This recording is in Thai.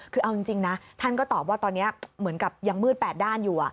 คือเอาจริงนะท่านก็ตอบว่าตอนนี้เหมือนกับยังมืด๘ด้านอยู่